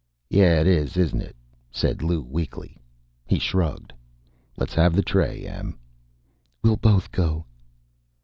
"Yeah, it is, isn't it?" said Lou weakly. He shrugged. "Let's have the tray, Em." "We'll both go."